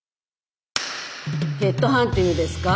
ヘッドハンティングですか？